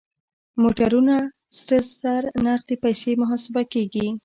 موټرونه سره زر نغدې پيسې محاسبه کېږي.